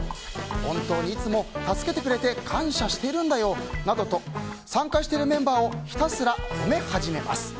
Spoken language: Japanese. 本当にいつも助けてくれて感謝してるんだよと参加しているメンバーをひたすら褒め始めます。